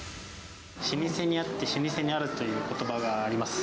老舗にあって老舗にあらずということばがあります。